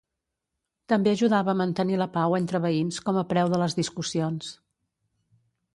També ajudava a mantenir la pau entre veïns com a preu de les discussions.